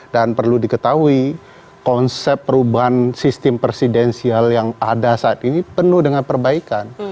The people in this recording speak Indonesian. dan perlu diketahui konsep perubahan sistem presidensial yang ada saat ini penuh dengan perbaikan